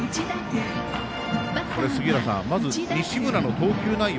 杉浦さん、まず西村の投球内容